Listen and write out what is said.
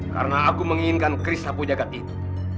karena aku menginginkan keris lapu jagad itu